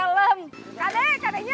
walaupun lu situ menggilis tante coba